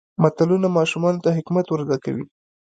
متلونه ماشومانو ته حکمت ور زده کوي.